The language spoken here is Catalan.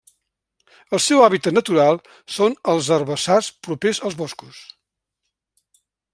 El seu hàbitat natural són els herbassars propers als boscos.